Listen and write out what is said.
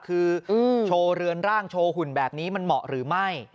คือโชว์เรือนร่างโชว์หุ่นแบบนี้มันเหมาะหรือไม่